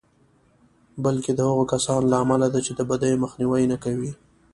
بلکې د هغو کسانو له امله ده چې د بدیو مخنیوی نه کوي.